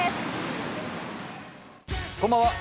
こんばんは。